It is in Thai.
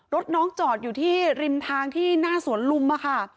รถน้องจอดอยู่ที่ริมทางที่หน้าสวนลุมค่ะ